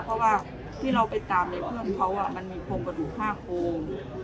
เพราะว่าที่เราไปตามในเพื่อนเขามันมีโครงกระดูก๕โครง